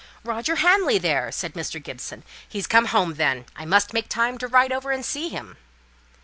"Roger Hamley there!" said Mr. Gibson. "He's come home then. I must make time to ride over and see him."